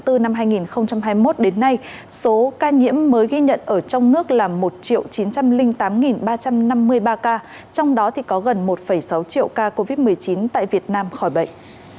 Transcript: từ năm hai nghìn hai mươi một đến nay số ca nhiễm mới ghi nhận ở trong nước là một chín trăm linh tám ba trăm năm mươi ba ca trong đó có gần một sáu triệu ca covid một mươi chín tại việt nam khỏi bệnh